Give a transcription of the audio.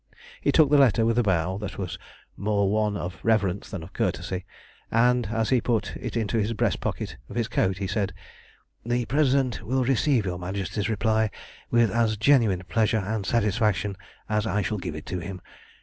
He took the letter with a bow that was more one of reverence than of courtesy, and as he put it into his breast pocket of his coat he said "The President will receive your Majesty's reply with as genuine pleasure and satisfaction as I shall give it to him.